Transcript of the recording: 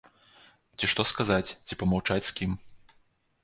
Ці што сказаць, ці памаўчаць з кім?